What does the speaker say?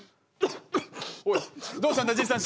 おいどうしたんだじいさん！